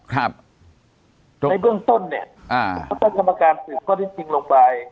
ในเบื้องต้นเนี่ยเขาตั้งกรรมการสืบข้อที่จริงลงไป